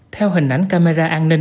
theo hình ảnh camera an ninh